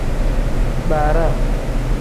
Baaraa.